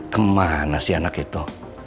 kemana si anak itu